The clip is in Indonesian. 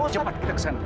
cepat kita kesana